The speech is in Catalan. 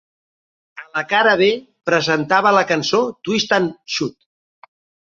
A la cara B presentava la cançó "Twist and Shout".